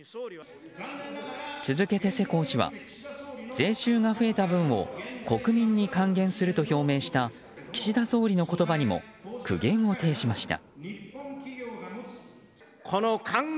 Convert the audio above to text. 続けて世耕氏は税収が増えた分を国民に還元すると表明した岸田総理の言葉にも苦言を呈しました。